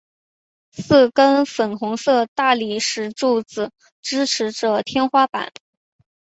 四根粉红色大理石柱子支持着天花板。